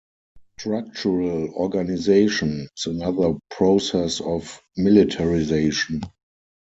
Structural organization is another process of militarization.